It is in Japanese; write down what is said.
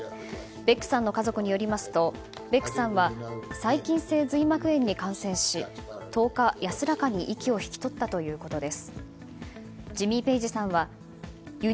ベックさんの家族によりますとベックさんは細菌性髄膜炎に感染し１０日、安らかに息を引き取ったということです。